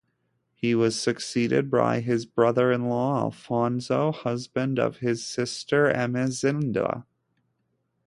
He was succeeded by his brother-in-law Alfonso, husband of his sister Ermesinda.